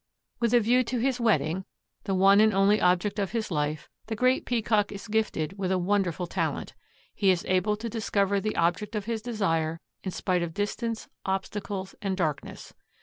With a view to his wedding, the one and only object of his life, the Great Peacock is gifted with a wonderful talent. He is able to discover the object of his desire in spite of distance, obstacles, and darkness.